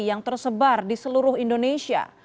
yang tersebar di seluruh indonesia